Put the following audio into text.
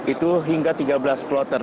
itu hingga tiga belas kloter